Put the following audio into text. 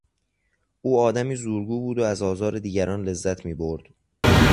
او آدمی زورگو بود و از آزار دیگران لذت میبرد.